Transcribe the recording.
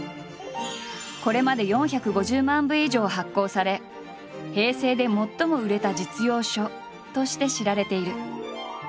これまで４５０万部以上発行され平成で最も売れた実用書として知られている。